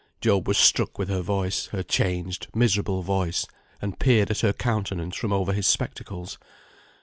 Job was struck with her voice, her changed, miserable voice, and peered at her countenance from over his spectacles.